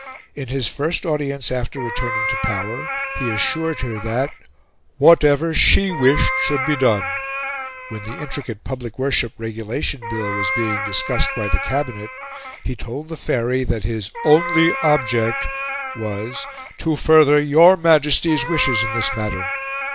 In his first audience after returning to power, he assured her that "whatever she wished should be done." When the intricate Public Worship Regulation Bill was being discussed by the Cabinet, he told the Faery that his "only object" was "to further your Majesty's wishes in this matter."